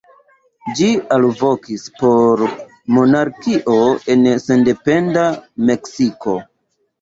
Ĝi alvokis por monarkio en sendependa Meksiko.